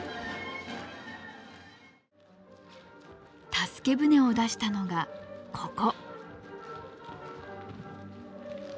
助け船を出したのがここ。